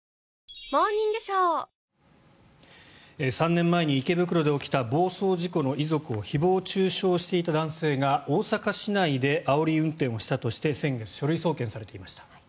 ３年前に池袋で起きた暴走事故の遺族を誹謗・中傷していた男性が大阪市内であおり運転をしたとして先月、書類送検されていました。